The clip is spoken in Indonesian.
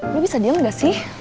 mbak bisa diam gak sih